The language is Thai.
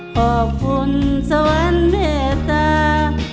ขอบคุณสวรรค์เมตตา